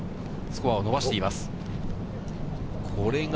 スコアを伸ばしています。